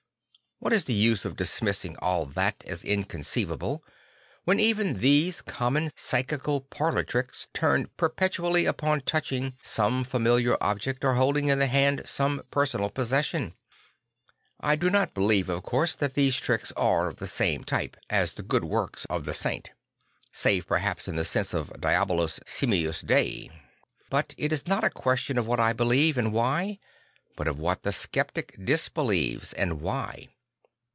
What is the use of dismissing all that as incon ceivable, when even these common psychical parlour tricks turn perpetually upon touching some familiar 0 bj ect or holding in the hand some personal possession? I do not believe, of course, that these tricks are of the same type L 162 St. Francis of Assisi as the good works of the saint; save perhaps in the sense of Diabolus simius Dei. But it is not a question of what I believe and why, but of what the sceptic disbelieves and why.